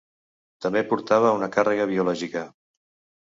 També portava una càrrega biològica.